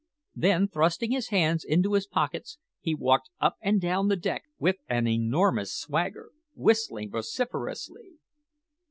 Then thrusting his hands into his pockets, he walked up and down the deck with an enormous swagger, whistling vociferously.